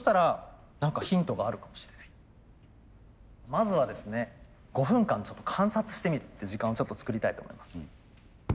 まずはですね５分間ちょっと観察してみるって時間をちょっと作りたいと思います。